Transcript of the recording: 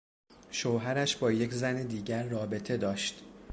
شوهرش با یک زن دیگر رابطه داشت.